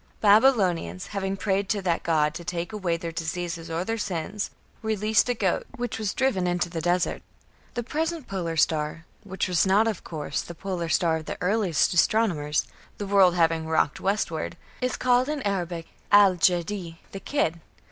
Babylonians, having prayed to that god to take away their diseases or their sins, released a goat, which was driven into the desert. The present Polar Star, which was not, of course, the Polar star of the earliest astronomers, the world having rocked westward, is called in Arabic Al Jedy, "the kid".